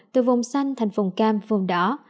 từ vùng xanh thành vùng cam vùng đỏ